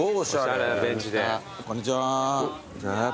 こんにちは。